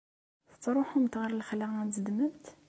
Tettṛuḥumt ɣer lexla ad zedmemt?